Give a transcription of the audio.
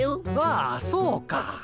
ああそうか。